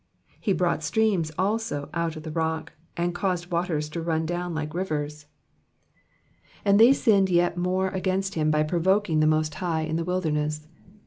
16 He brought streams also out of the rock, and caused waters to run down like rivers. 17 And they sinned yet more against him by provoking the most High in the wilderness.